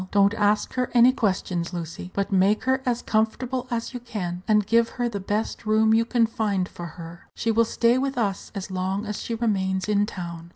Don't ask her any questions, Lucy, but make her as comfortable as you can, and give her the best room you can find for her. She will stay with us as long as she remains in town."